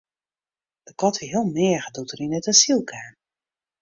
De kat wie heel meager doe't er yn it asyl kaam.